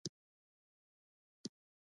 راکټ د تودوخې لوړ حد ته رسېږي